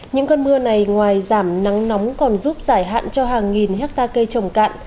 những con mưa này ngoài giảm nắng nóng còn giúp giải hạn cho hàng nghìn hecta cây trồng cạn